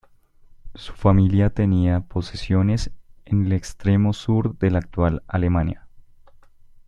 Su familia tenía posesiones en el extremo sur de la actual Alemania.